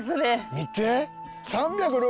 見て！